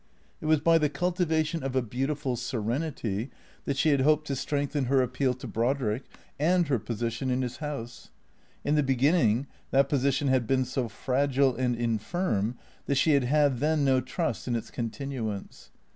It was by the cultivation of a beautiful serenity that she had hoped to strengthen her appeal to Brodrick and her position in his house. In the beginning that position had been so fragile and infirm that she had had then no trust in its continuance.